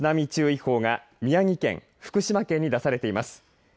津波注意報が宮城県福島県に出されています。